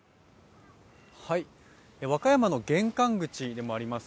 和歌山の玄関口でもあります